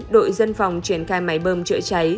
đội dân phòng chuyển khai máy bơm trợ cháy